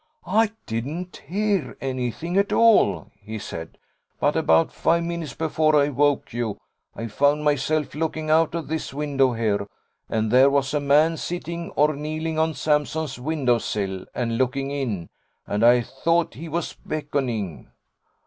"I didn't hear anything at all," he said, "but about five minutes before I woke you, I found myself looking out of this window here, and there was a man sitting or kneeling on Sampson's window sill, and looking in, and I thought he was beckoning."